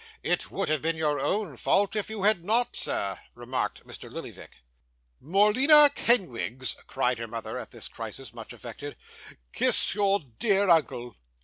'It would have been your own fault if you had not, sir,' remarked Mr Lillyvick. 'Morleena Kenwigs,' cried her mother, at this crisis, much affected, 'kiss your dear uncle!